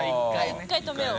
１回止めよう